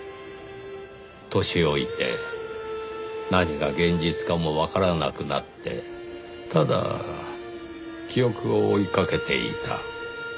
年老いて何が現実かもわからなくなってただ記憶を追いかけていた。